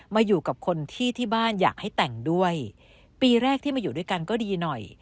มาอยู่กับคนที่ที่บ้านอยากให้แต่งด้วยปีแรกที่มาอยู่ด้วยกันก็ดีหน่อย